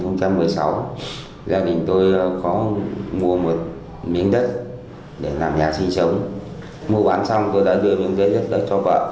năm hai nghìn một mươi sáu gia đình tôi có mua một miếng đất để làm nhà sinh sống mua bán xong tôi đã đưa miếng giấy rất đất cho vợ